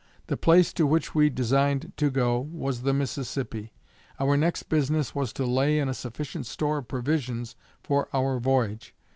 The place to which we designed to go was the Mississippi. Our next business was to lay in a sufficient store of provisions for our voyage.